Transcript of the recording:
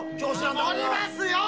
「守りますよ！」